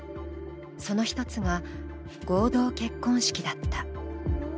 その１つが合同結婚式だった。